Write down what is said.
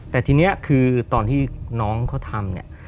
แต่ทีนี้คือตอนที่น้องเขาทำเนี่ย